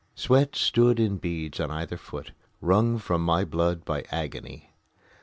Sweat stood in beads on either foot, wrung from my blood by agony.